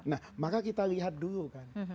nah maka kita lihat dulu kan